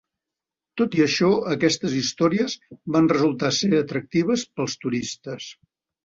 Tot i això, aquestes històries van resultar ser atractives per als turistes.